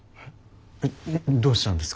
えっどうしたんですか？